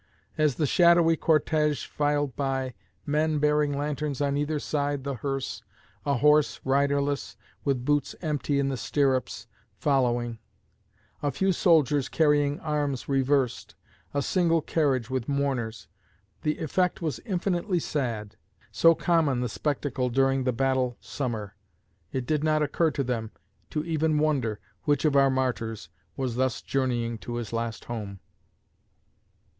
As the shadowy cortege filed by men bearing lanterns on either side the hearse a horse, riderless, with boots empty in the stirrups, following a few soldiers carrying arms reversed a single carriage with mourners the effect was infinitely sad. So common the spectacle during the Battle Summer, it did not occur to them to even wonder which of our martyrs was thus journeying to his last home.